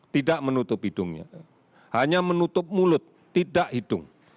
tidak menutup hidungnya hanya menutup mulut tidak hidung